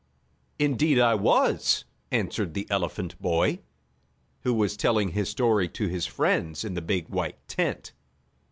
"Indeed I was," answered the elephant boy, who was telling his story to his friends in the big, white tent.